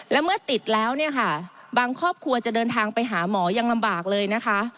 และเมื่อติดแล้วเนี่ยค่ะบางครอบครัวจะเดินทางไปหาหมอยังลำบากเลยนะคะ